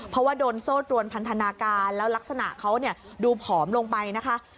เพราะว่าโดนโซ่ตรวนพันธนาการแล้วลักษณะเขาดูผอมลงไปนะคะ